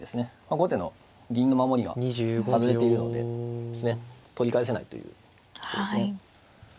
後手の銀の守りが外れているので取り返せないということですね。